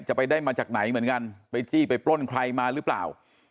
ไปได้มาจากไหนเหมือนกันไปจี้ไปปล้นใครมาหรือเปล่า